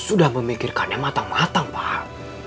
sudah memikirkannya matang matang paham